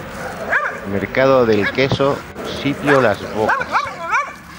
Mercado del queso, sitio Las Bocas.